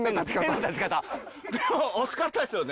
でも惜しかったですよね？